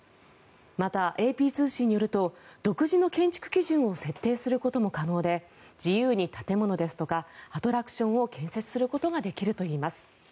また、ＡＰ通信によると独自の建築基準を設定することも可能で自由に建物ですとかアトラクションを建設することができるといいます。